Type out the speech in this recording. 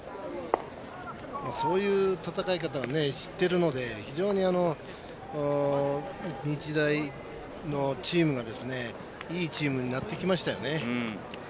そういう戦い方を知っているので非常に日大のチームがいいチームになってきましたよね。